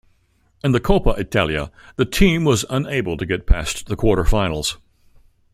In the Coppa Italia, the team was unable to get past the quarter finals.